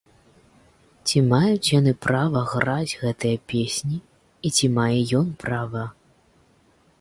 Ці маюць яны права граць гэтыя песні і ці мае ён права?